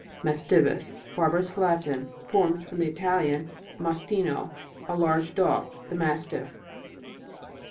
MASTIVUS. Barbarous Latin, formed from the Italian, mastino, a large dog. The mastiff.